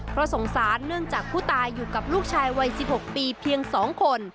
เพราะสงสารเนื่องจากผู้ตายอยู่กับลูกชายวัย๑๖ปีเพียง๒คน